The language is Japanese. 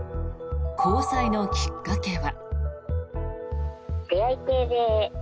交際のきっかけは。